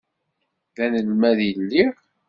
D anelmad i lliɣ.